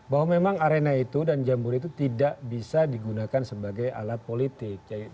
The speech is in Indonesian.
bahwa memang arena itu dan jambor itu tidak bisa digunakan sebagai alat politik